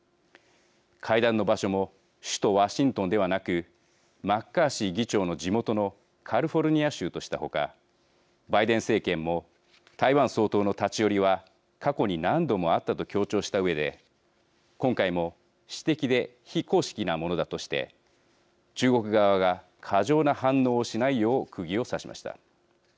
会談の場所も首都ワシントンではなくマッカーシー議長の地元のカリフォルニア州とした他バイデン政権も台湾総統の立ち寄りは、過去に何度もあったと強調したうえで今回も私的で非公式なものだとして中国側が過剰な反応をしないようくぎを刺しました。